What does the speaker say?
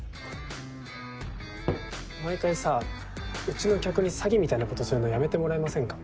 毎回さうちの客に詐欺みたいなことするのやめてもらえませんか？